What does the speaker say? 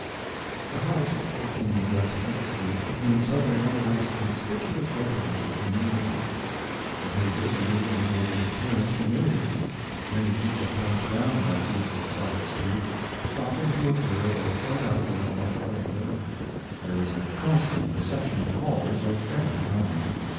The house at 14 West Tenth Street became suddenly one of the most conspicuous residences in New York. The papers immediately made its appearance familiar. Many people passed down that usually quiet street, stopping to observe or point out where Mark Twain lived. There was a constant procession of callers of every kind.